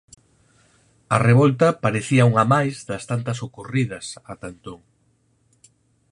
A revolta parecía unha máis das tantas ocorridas ata entón.